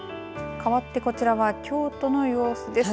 かわってこちらは京都の様子です。